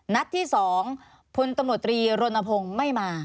นัดที่๒พลตำรวจตรีรณพงศ์ไม่มา